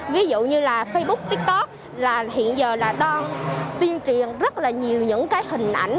ví dụ như là facebook tiktok hiện giờ đang tiên triển rất là nhiều những hình ảnh